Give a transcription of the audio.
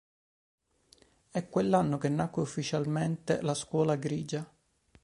È quell'anno che nacque ufficialmente la Scuola grigia.